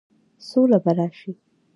سوله به راشي؟